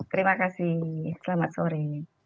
terima kasih selamat sore